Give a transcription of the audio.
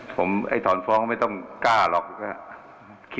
ผมไอ้ถอนฟ้องไม่ต้องกล้าหรอกครับ